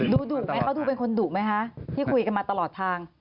ดุไหมเขาดูเป็นคนดุไหมคะที่คุยกันมาตลอดทาง